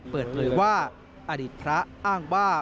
เปิดเผยว่าอดีตพระอ้างว่า